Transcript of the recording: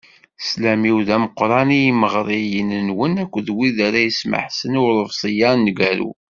Sslam-iw d ameqqran i yimeɣriyen-nwen akked wid ara yesmeḥsen i uḍebsi-a aneggaru.